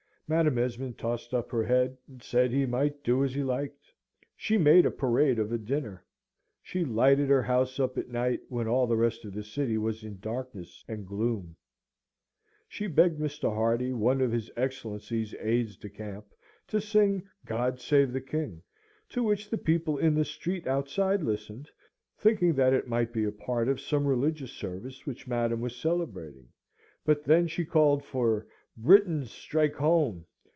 Madam Esmond tossed up her head, and said he might do as he liked. She made a parade of a dinner; she lighted her house up at night, when all the rest of the city was in darkness and gloom; she begged Mr. Hardy, one of his Excellency's aides de camp, to sing "God save the King," to which the people in the street outside listened, thinking that it might be a part of some religious service which Madam was celebrating; but then she called for "Britons, strike home!"